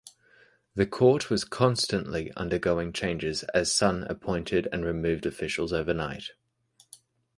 The court was constantly undergoing changes as Sun appointed and removed officials overnight.